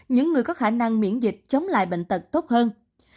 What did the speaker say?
những người có khả năng miễn dịch chống lại bệnh tật tốt hơn